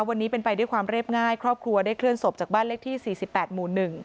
วันนี้เป็นไปด้วยความเรียบง่ายครอบครัวได้เคลื่อนศพจากบ้านเลขที่๔๘หมู่๑